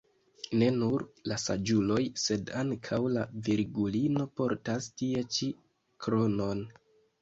Ne nur la saĝuloj sed ankaŭ la Virgulino portas tie ĉi kronon.